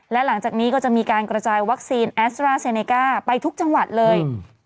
และหลังจากนี้ก็จะมีการกระจายวัคซีนแอสตราเซเนก้าไปทุกจังหวัดเลย